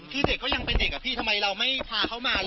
คือเด็กเขายังเป็นเด็กอะพี่ทำไมเราไม่พาเขามา